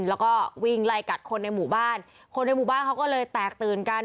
แล้วก็วิ่งไล่กัดคนในหมู่บ้านคนในหมู่บ้านเขาก็เลยแตกตื่นกัน